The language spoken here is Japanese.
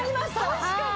確かに。